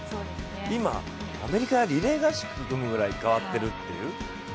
今、アメリカはリレー合宿を組むぐらい変わってるっていう。